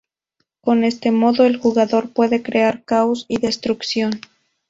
Con este modo el jugador puede crear caos y destrucción.